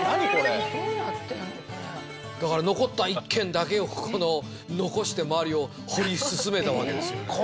だから残った一軒だけをこの残して周りを掘り進めたわけですよね。